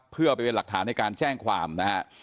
เพื่อไปเป็นหลักฐานในการแจ้งความนะฮะ